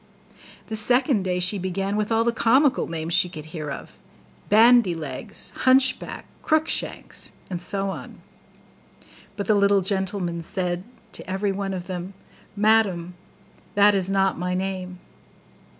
The second day she began with all the comical names she could hear of, BANDY LEGS, HUNCHBACK, CROOK SHANKS, and so on; but the little gentleman still said to every one of them, 'Madam, that is not my name.